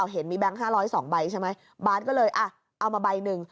เห็นมีแบงค์๕๐๒ใบใช่ไหมบาทก็เลยเอามาใบหนึ่ง